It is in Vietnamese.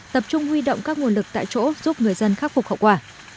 tập trung huy động các nguồn lực tại chỗ giúp người dân khắc phục khẩu quả